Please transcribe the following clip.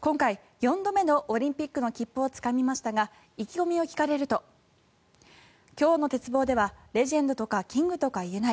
今回、４度目のオリンピックの切符をつかみましたが意気込みを聞かれると今日の鉄棒ではレジェンドとかキングとか言えない